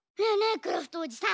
クラフトおじさん。